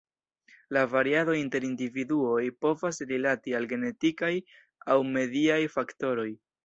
La variado inter individuoj povas rilati al genetikaj aŭ mediaj faktoroj.